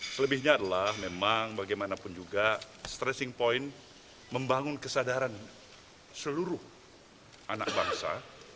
selebihnya adalah memang bagaimanapun juga stressing point membangun kesadaran seluruh anak bangsa